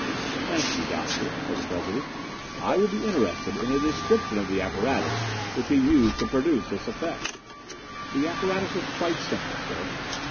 "Thank you, Doctor," said the President. "I would be interested in a description of the apparatus which he used to produce this effect." "The apparatus was quite simple, Sir.